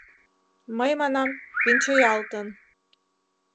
— Мый манам: венчаялтын!